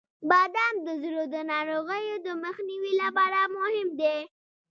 • بادام د زړه د ناروغیو د مخنیوي لپاره مهم دی.